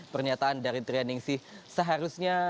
pernyataan dari trianing si seharusnya